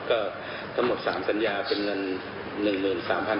ก็ทั้งหมด๓สัญญาเป็นเงิน๑๓๐๐บาท